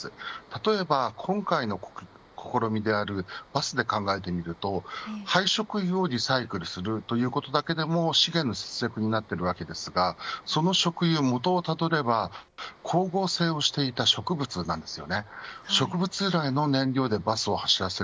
例えば今回の試みであるバスで考えてみると廃食油をリサイクルするということだけでも資源の節約になっていますがその食油を元をたどれば光合成をしていた植物です。